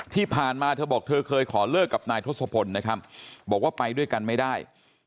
ที่ผ่านมาเธอบอกเธอเคยขอเลิกกับนายทศพลนะครับบอกว่าไปด้วยกันไม่ได้